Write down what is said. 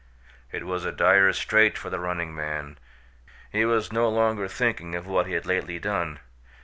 It was a dire strait for the running man. He was no longer thinking of what he had lately done.